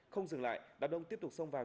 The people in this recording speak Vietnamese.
không dừng lại đạo đông tiếp tục xông vào